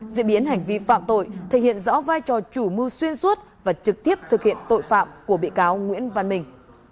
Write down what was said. diễn biến hành vi phạm tội thể hiện rõ vai trò chủ mưu xuyên suốt và trực tiếp thực hiện tội phạm của bị cáo nguyễn văn bình